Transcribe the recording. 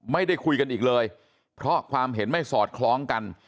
ไม่ได้คุยกันอีกเลยเพราะความเห็นไม่สอดคล้องกัน